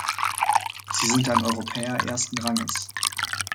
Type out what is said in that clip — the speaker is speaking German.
Sie sind ein Europäer ersten Ranges.